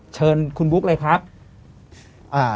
เชิญคุณบุ๊กเลยครับ